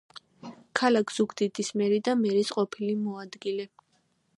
ქალაქ ზუგდიდის მერი და მერის ყოფილი მოადგილე.